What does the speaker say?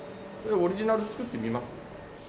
オリジナル作ってみます？